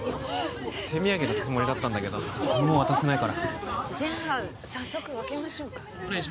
手土産のつもりだったんだけどもう渡せないからじゃあ早速分けましょうかお願いします